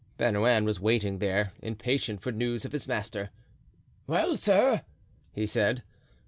Bernouin was waiting there, impatient for news of his master. "Well, sir?" he said.